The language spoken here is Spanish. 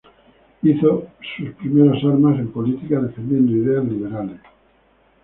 Hizo sus primeras armas en política defendiendo ideas liberales.